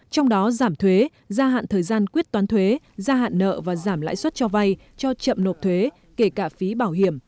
trong đó giảm thuế gia hạn thời gian quyết toán thuế gia hạn nợ và giảm lãi suất cho vay cho chậm nộp thuế kể cả phí bảo hiểm